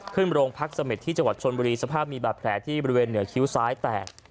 ขึ้นโรงพักเสม็ดที่จังหวัดชนบุรีสภาพมีบาดแผลที่บริเวณเหนือคิ้วซ้ายแตก